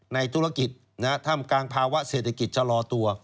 ในธุรกิจท่ามกลางภาวะเศรษฐกิจชะลอตัว